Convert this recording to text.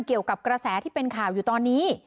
เกี่ยวกับกระแสที่เป็นข่าวอยู่ตอนนี้